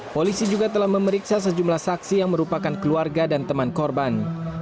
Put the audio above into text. polisi juga telah memeriksa sejumlah saksi yang merupakan keluarga dan teman korban